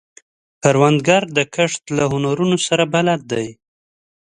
کروندګر د کښت له هنرونو سره بلد دی